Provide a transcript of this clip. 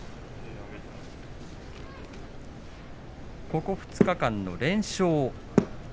ここ２日間の連勝。